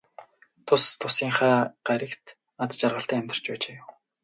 Тус тусынхаа гаригт аз жаргалтай амьдарч байжээ.